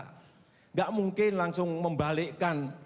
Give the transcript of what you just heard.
tidak mungkin langsung membalikkan